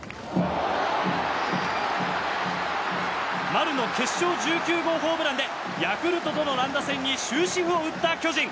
丸の決勝１９号ホームランでヤクルトとの乱打戦に終止符を打った巨人。